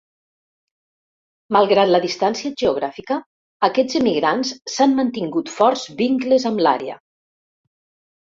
Malgrat la distància geogràfica, aquests emigrants s'han mantingut forts vincles amb l'àrea.